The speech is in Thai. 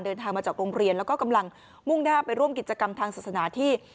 เดินทางมาจากโรงเรียนแล้วก็กำลังมุ่งหน้าไปร่วมกิจกรรมทางศาสนาที่